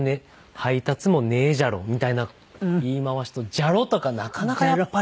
「配達もねえじゃろ」みたいな言い回しと「じゃろ」とかなかなかやっぱり。